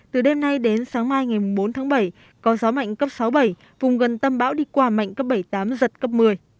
từ đêm nay đến sáng mai ngày bốn tháng bảy có gió mạnh cấp sáu bảy vùng gần tâm bão đi qua mạnh cấp bảy tám giật cấp một mươi